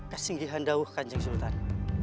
kesinggihan dauh kanjeng sultan